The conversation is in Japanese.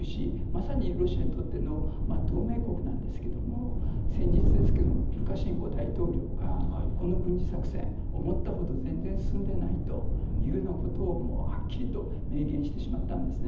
まさにロシアにとっての同盟国なんですけれども先日ですがルカシェンコ大統領がこの軍事作戦思ったほど全然進んでないということをはっきりと明言してしまったんです。